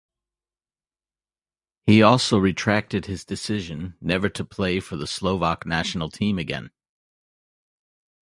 He also retracted his decision never to play for the Slovak national team again.